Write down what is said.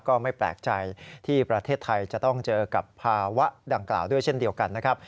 ก็ไม่แปลกใจที่ประเทศไทยจะต้องเจอกับภาวะดังกล่าวด้วยเช่นเดียวกันนะครับ